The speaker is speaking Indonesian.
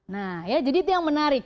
nah ya jadi itu yang menarik